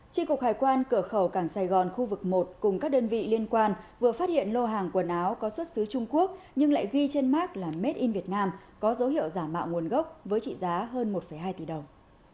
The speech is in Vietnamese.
tri cục hải quan cửa khẩu cảng sài gòn khu vực một cùng các đơn vị liên quan vừa phát hiện lô hàng quần áo có xuất xứ trung quốc nhưng lại ghi trên mark là made in vietnam có dấu hiệu giả mạo nguồn gốc với trị giá hơn một hai tỷ đồng